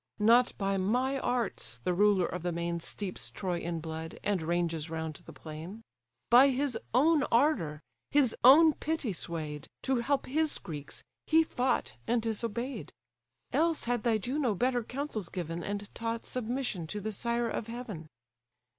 Not by my arts the ruler of the main Steeps Troy in blood, and ranges round the plain: By his own ardour, his own pity sway'd, To help his Greeks, he fought and disobey'd: Else had thy Juno better counsels given, And taught submission to the sire of heaven."